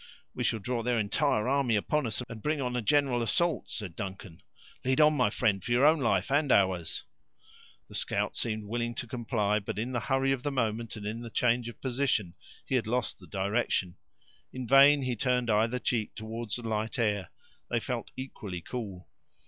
"We shall draw their entire army upon us, and bring on a general assault," said Duncan: "lead on, my friend, for your own life and ours." The scout seemed willing to comply; but, in the hurry of the moment, and in the change of position, he had lost the direction. In vain he turned either cheek toward the light air; they felt equally cool.